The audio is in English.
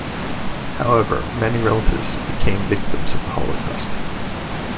However, many relatives became victims of the Holocaust.